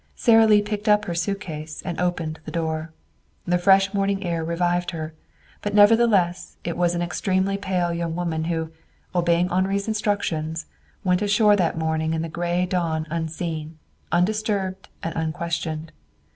Sara Lee picked up her suitcase and opened the door. The fresh morning air revived her, but nevertheless it was an extremely pale young woman who, obeying Henri's instructions, went ashore that morning in the gray dawn unseen, undisturbed and unquestioned.